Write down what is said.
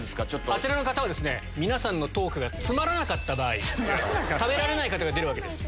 あちらの方は皆さんのトークがつまらなかった場合食べられない方が出るわけです。